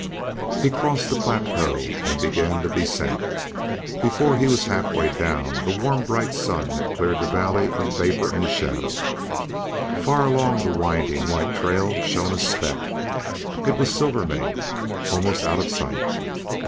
He crossed the plateau and began the descent. Before he was half way down the warm bright sun had cleared the valley of vapor and shadow. Far along the winding white trail shone a speck. It was Silvermane almost out of sight.